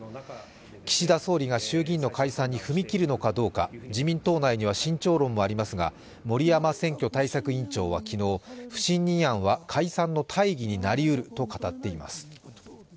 岸田総理が衆議院の解散に踏み切るのかどうか、自民党内には慎重論もありますが森山選挙対策委員長は昨日、不信任案は解散の大義になり得ると語っています。